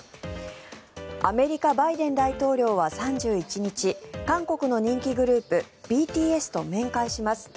アメリカ、バイデン大統領は３１日韓国の人気グループ、ＢＴＳと面会します。